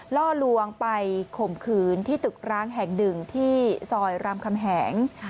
ล่อลวงไปข่มขืนที่ตึกร้างแห่งหนึ่งที่ซอยรามคำแหง